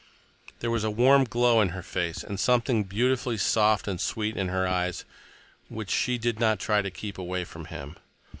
There was a warm glow in her face, and something beautifully soft and sweet in her eyes which she did not try to keep away from him.